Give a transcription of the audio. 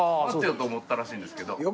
待ってようと思ったらしいんですけど。